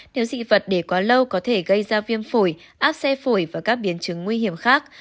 nếu dị vật để quá lâu có thể gây ra viêm phổi ác xe phổi và các biến chứng nguy hiểm khác